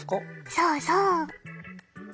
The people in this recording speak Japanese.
そうそう。